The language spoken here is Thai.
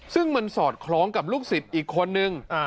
ซึ่งมันสอดคล้องกับลูกศิษย์อีกคนนึง